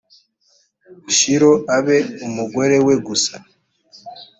shilo abe umugore we gusa